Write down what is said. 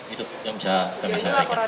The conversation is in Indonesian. itu yang bisa kami sampaikan